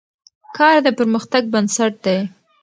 کار د پرمختګ بنسټ دی.